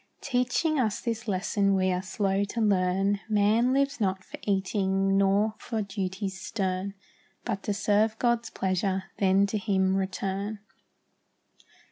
Teaching us this lesson we are slow to learn; Man lives not for eating, nor for duties stern, But to serve God's pleasure, then to Him return.